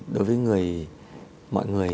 đối với người mọi người